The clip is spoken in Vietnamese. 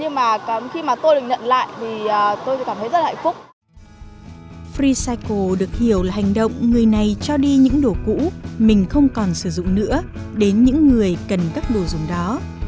hành động người này cho đi những đồ cũ mình không còn sử dụng nữa đến những người cần các đồ dùng đó